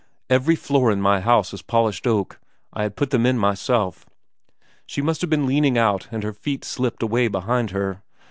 Every floor in my house is polished oak. I had them put in myself. She must have been leaning out and her feet slipped away behind her.